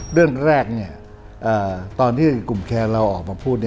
เรื่องแรกตอนที่กลุ่มแคร์เราออกมาพูด